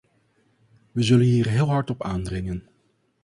We zullen hier heel hard op aandringen.